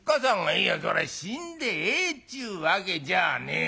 「いやそら死んでええっちゅうわけじゃねえだ」。